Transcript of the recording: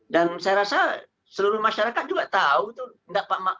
dan saya rasa seluruh masyarakat juga tahu itu